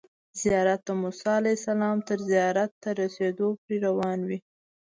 زیارت د موسی علیه السلام تر زیارت ته رسیدو پورې روان وي.